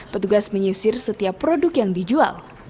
petugas menyisir setiap produk yang dijual